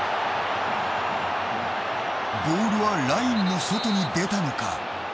ボールはラインの外に出たのか。